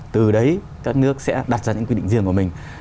từ đấy các nước sẽ đặt ra những quy định riêng của mình